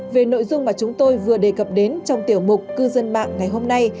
về nội dung mà chúng tôi vừa đề cập đến trong tiểu mục cư dân mạng ngày hôm nay